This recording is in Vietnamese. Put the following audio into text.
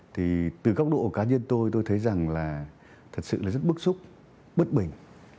thì từ góc độ cá nhân tôi tôi thấy rằng là thật sự là rất bức xúc bất bình